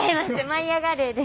「舞いあがれ！」です。